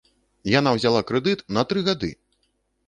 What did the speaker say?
Яна ўзяла крэдыт на тры гады!